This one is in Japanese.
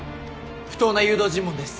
不当な誘導尋問です。